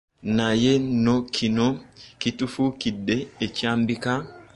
Naye nno kino kitufuukidde ekyambika.